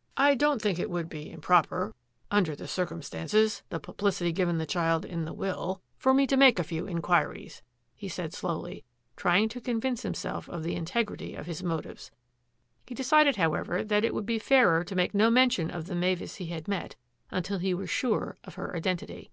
" I don't think it would be improper — under the circumstances, the publicity given the child in the will — for me to make a few inquiries," he said slowly, trying to convince himself of the integrity of his motives. He decided, however, that it would be fairer to make no mention of the Mavis he had met until he were sure of her identity.